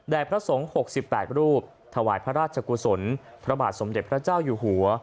และพระสงฆ์๖๘รูปถวายพระราชกุศลพระบาทสมเด็จพระเจ้าอยู่หัว